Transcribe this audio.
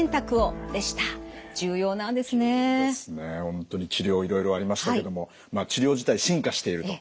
本当に治療いろいろありましたけども治療自体進化していると。